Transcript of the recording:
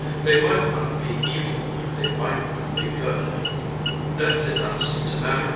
They might not be evil, they might not be good. That did not seem to matter.